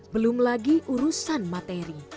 belum lagi urusan materi